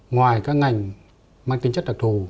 ngoài các ngành mang tính chất đặc thủ